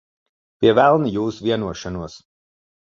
Pie velna jūsu vienošanos.